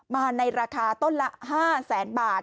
มาในราคาต้นละ๕แสนบาท